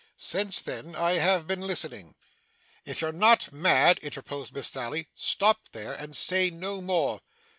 Since then, I have been listening.' 'If you're not mad,' interposed Miss Sally, 'stop there, and say no more.